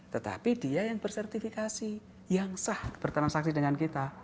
tetapi dia yang bersertifikasi yang sah bertransaksi dengan kita